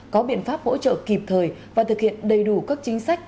có biện pháp hỗ trợ kịp thời và thực hiện đầy đủ các chính sách